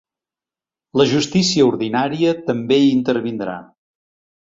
La justícia ordinària també hi intervindrà.